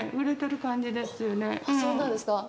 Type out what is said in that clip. あっそうなんですか